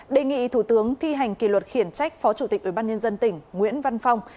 đề nghị thủ tướng thi hành kỷ luật khiển trách phó chủ tịch ủy ban nhân dân tỉnh nguyễn văn phong